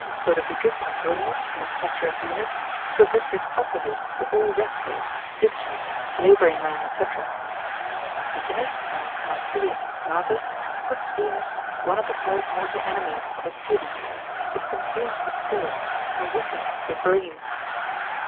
Lodovicus Antonius lib. med. miscet. in his chapter of Venus, forbids it utterly to all wrestlers, ditchers, labouring men, &c. Ficinus and Marsilius Cognatus puts Venus one of the five mortal enemies of a student: it consumes the spirits, and weakeneth the brain.